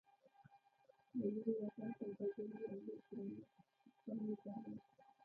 د لېرې واټن سوداګري او لېږد رالېږد سیستم یې درلود